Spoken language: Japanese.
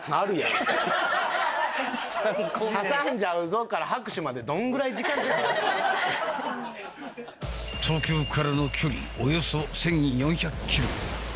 「はさんじゃうぞ！」から東京からの距離およそ１４００キロ。